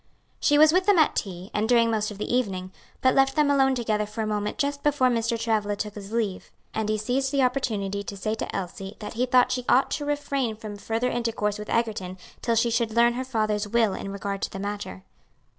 She was with them at tea, and during most of the evening, but left them alone together for a moment just before Mr. Travilla took his leave, and he seized the opportunity to say to Elsie that he thought she ought to refrain from further intercourse with Egerton till she should learn her father's will in regard to the matter.